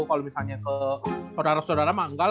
kalau misalnya ke saudara saudara mah enggak lah